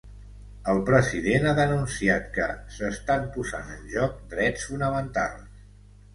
El president ha denunciat que ‘s’estan posant en joc drets fonamentals’.